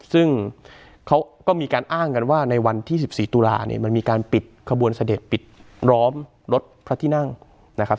ซึ่งเขาก็มีการอ้างกันว่าในวันที่๑๔ตุลาเนี่ยมันมีการปิดขบวนเสด็จปิดล้อมรถพระที่นั่งนะครับ